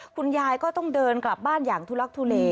คุณยายก็ต้องเดินกลับบ้านอย่างทุลักทุเล